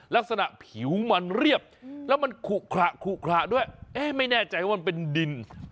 ลักษณะผิวมันเรียบแล้วมันขุขระขุขระด้วยเอ๊ะไม่แน่ใจว่ามันเป็นดิน